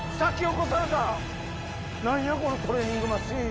このトレーニングマシン。